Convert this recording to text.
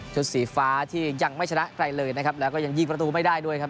สีฟ้าที่ยังไม่ชนะใครเลยนะครับแล้วก็ยังยิงประตูไม่ได้ด้วยครับ